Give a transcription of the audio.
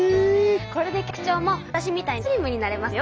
これで局長もわたしみたいにスリムになれますよ。